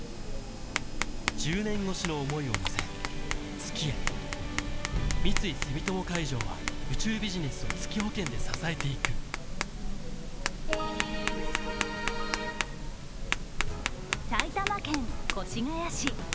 年越しの想いを乗せ月へ三井住友海上は宇宙ビジネスを月保険で支えていく埼玉県越谷市。